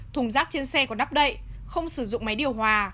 thùng rác trên xe còn đắp đậy không sử dụng máy điều hòa